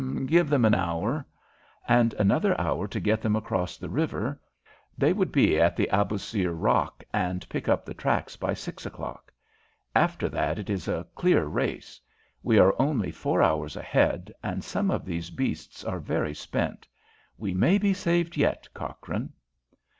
"Give them an hour." "And another hour to get them across the river. They would be at the Abousir Rock and pick up the tracks by six o'clock. After that it is a clear race. We are only four hours ahead, and some of these beasts are very spent. We may be saved yet, Cochrane!"